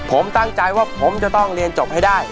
ผมตั้งใจว่าผมจะต้องเรียนจบให้ได้